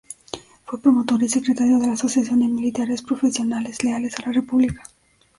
Fue promotor y secretario de la Asociación de Militares Profesionales Leales a la República.